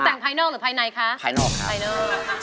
ตกแต่งภายในหรือภายนอกคะภายนอกคะ